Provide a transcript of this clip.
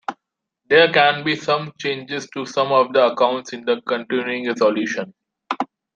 There can be some changes to some of the accounts in a continuing resolution.